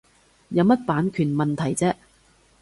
有乜版權問題啫